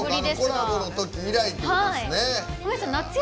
コラボのとき以来ということですね。